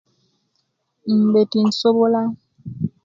Mmbe tinsobola